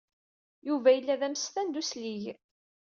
Yuba yella d amsestan d uslig.